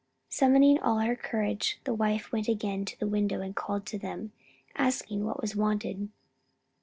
Summoning all her courage, the wife went again to the window and called to them, asking what was wanted.